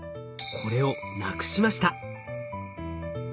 これをなくしました。